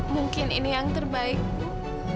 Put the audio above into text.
mungkin ini yang terbaik bu